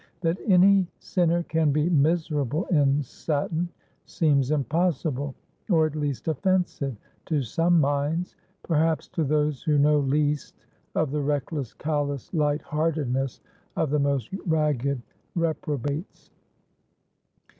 That any sinner can be "miserable" in satin, seems impossible, or at least offensive, to some minds; perhaps to those who know least of the reckless, callous light heartedness of the most ragged reprobates.